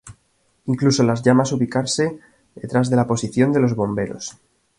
Incluso las llamas ubicarse detrás de la posición de los bomberos.